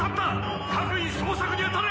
各員捜索に当たれ！